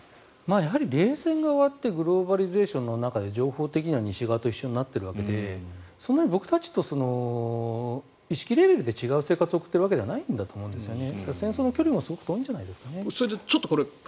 やはり冷戦が終わってグローバリーゼーションの中で情報的には西側と一緒になっているわけでそんなに僕たちと意識レベルで違う生活を送っているわけではないと思うんですよね。